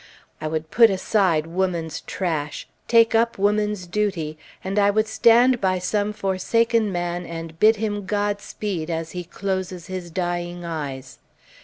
I would put aside woman's trash, take up woman's duty, and I would stand by some forsaken man and bid him Godspeed as he closes his dying eyes.